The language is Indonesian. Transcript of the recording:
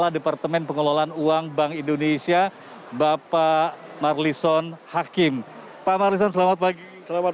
departemen pengelolaan uang bank indonesia bapak marlison hakim pak marlison selamat pagi selamat